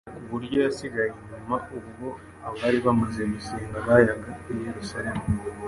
ku buryo yasigaye inyuma ubwo abari bamaze gusenga bayaga i Yerusalemu.